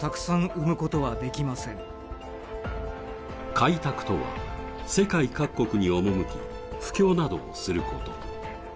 開拓とは、世界各国に赴き、布教などをすること。